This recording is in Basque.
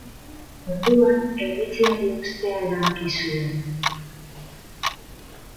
Orduan, erretzeari uztea erabaki zuen.